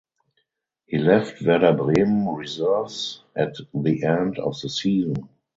He left Werder Bremen reserves at the end of the season.